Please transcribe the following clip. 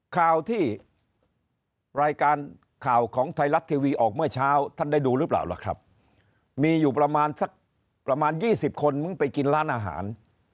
ข่าวที่รายการข่าวของไทยรัฐทีวีออกเมื่อเช้าท่านได้ดูหรือเปล่าล่ะครับมีอยู่ประมาณสักประมาณ๒๐คนมึงไปกินร้านอาหาร